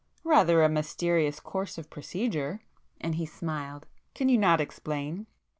"Rather a mysterious course of procedure!" and he smiled; "Can you not explain?"